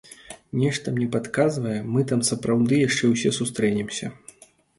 Нешта мне падказвае, мы там сапраўды яшчэ ўсе сустрэнемся.